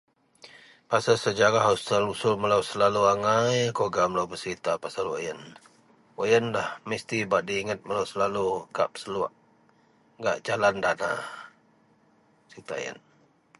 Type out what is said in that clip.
pasel sejarah asel usul melou selalu angai keluarga melou peserita pasel wak ien, wak ienlah mesti diingat melou selalu kak peseluok, gak jalan dana serita ien